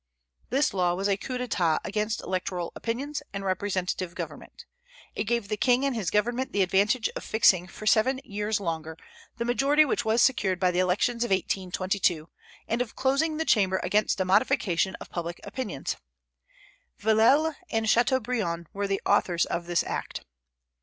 This law was a coup d'état against electoral opinions and representative government. It gave the king and his government the advantage of fixing for seven years longer the majority which was secured by the elections of 1822, and of closing the Chamber against a modification of public opinions. Villèle and Chateaubriand were the authors of this act.